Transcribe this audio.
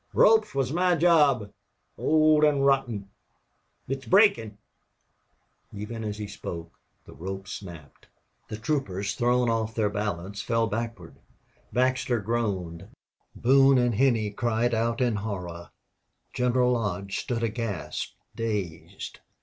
"Ropes was my job! Old an' rotten! It's breakin'!" Even as he spoke the rope snapped. The troopers, thrown off their balance, fell backward. Baxter groaned; Boone and Henney cried out in horror; General Lodge stood aghast, dazed.